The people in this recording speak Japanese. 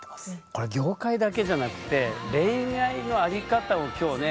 これ業界だけじゃなくて恋愛の在り方を今日ね